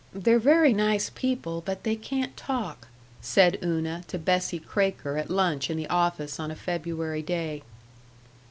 They're very nice people, but they can't talk," said Una to Bessie Kraker, at lunch in the office, on a February day.